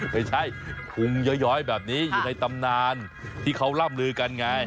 ไม่ใช่พุงย้อยแบบนี้อยู่ในตำนานที่เขาร่ำลือกันไง